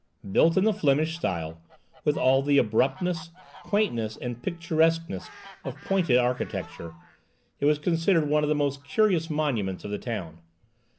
Built in the Flemish style, with all the abruptness, quaintness, and picturesqueness of Pointed architecture, it was considered one of the most curious monuments of the town.